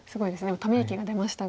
ため息が出ましたが。